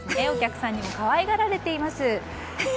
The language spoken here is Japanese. お客さんにも可愛がられています。